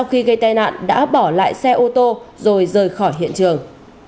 khi gây tai nạn đã bỏ lại xe ô tô rồi rời khỏi hiện trường